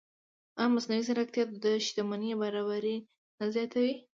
ایا مصنوعي ځیرکتیا د شتمنۍ نابرابري نه زیاتوي؟